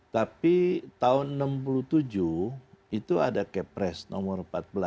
tapi tahun enam puluh tujuh itu ada kepres nomor empat belas